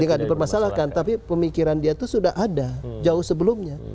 tidak dipermasalahkan tapi pemikiran dia itu sudah ada jauh sebelumnya